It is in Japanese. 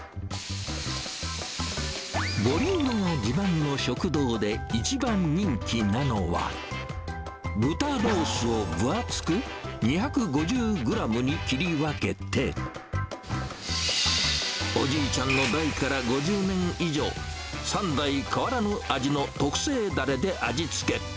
ボリュームが自慢の食堂で、一番人気なのは、豚ロースを分厚く２５０グラムに切り分けて、おじいちゃんの代から５０年以上、３代変わらぬ味の特製だれで味付け。